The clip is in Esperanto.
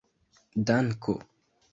danko